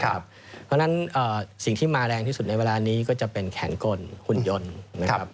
เพราะฉะนั้นสิ่งที่มาแรงที่สุดในเวลานี้ก็จะเป็นแขนกลหุ่นยนต์นะครับ